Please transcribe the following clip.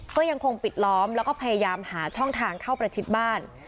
ก็ยังคงปิดล้อมแล้วก็พยายามหาช่องทางเข้าประชิดบ้าน